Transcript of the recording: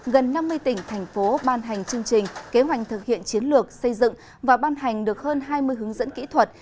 gần năm mươi tỉnh thành phố ban hành chương trình kế hoạch thực hiện chiến lược xây dựng và ban hành được hơn hai mươi hướng dẫn kỹ thuật